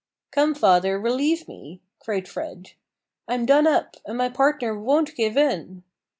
"Come, father, relieve me!" cried Fred. "I'm done up, and my partner won't give in."